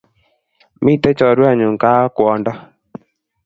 Miten chorwenyun kaa ak kwondo